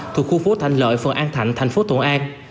thuộc khu phố thành lợi phường an thạnh thành phố thuận an